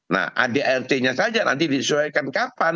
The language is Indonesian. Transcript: nah adart nya saja nanti disesuaikan kapan